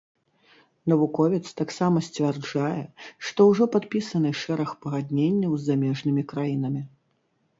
Навуковец таксама сцвярджае, што ўжо падпісаны шэраг пагадненняў з замежнымі краінамі.